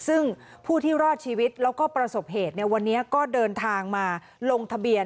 ซึ่งผู้ที่รอดชีวิตแล้วก็ประสบเหตุวันนี้ก็เดินทางมาลงทะเบียน